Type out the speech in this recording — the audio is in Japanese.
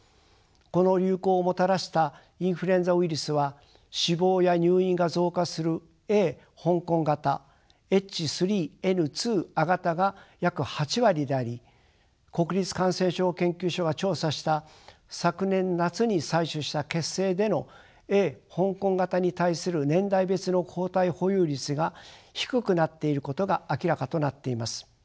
この流行をもたらしたインフルエンザウイルスは死亡や入院が増加するＡ香港型Ｈ３Ｎ２亜型が約８割であり国立感染症研究所が調査した昨年夏に採取した血清でのＡ香港型に対する年代別の抗体保有率が低くなっていることが明らかとなっています。